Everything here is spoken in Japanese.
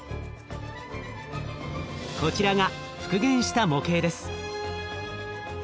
こちらが復元した模型です。